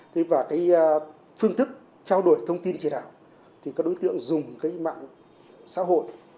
thế và cái phương thức trao đổi thông tin chỉ đạo thì các đối tượng dùng cái mạng xã hội